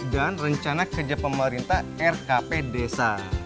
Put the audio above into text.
dan rencana kerja pemerintah rkp desa